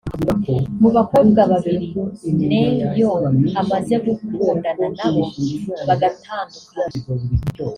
Mu bakobwa babiri Ne-Yo amaze gukundana nabo bagatandukana